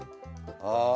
あ